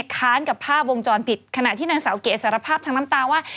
ค้านกับภาพวงจรปิดขณะที่นางสาวเก๋สารภาพทางน้ำตาว่า